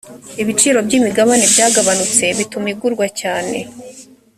ibiciro by’imigabane byagabanutse bituma igurwa cyane